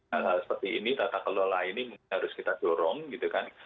hal hal seperti ini tata kelola ini harus kita dorong gitu kan